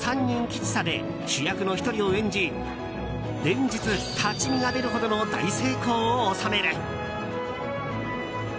人吉三」で主役の１人を演じ連日、立ち見が出るほどの大成功を収める。